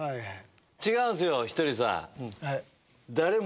違うんすよひとりさん。